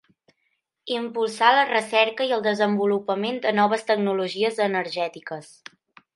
Impulsar la recerca i el desenvolupament de noves tecnologies energètiques.